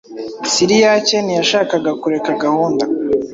Siriyake ntiyashakaga kureka gahunda.